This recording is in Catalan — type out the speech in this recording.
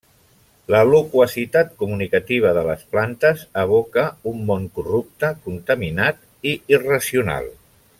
La loquacitat comunicativa de les plantes evoca un món corrupte, contaminat i irracional.